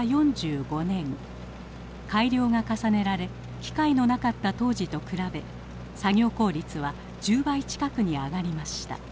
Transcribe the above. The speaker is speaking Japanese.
改良が重ねられ機械のなかった当時と比べ作業効率は１０倍近くに上がりました。